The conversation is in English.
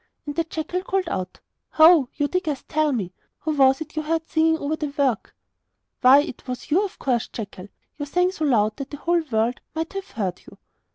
And the jackal called out: 'Ho! You diggers, tell me: Who was it you heard singing over the work?' 'Why, it was you, of course, jackal! You sang so loud that the whole world might have heard you!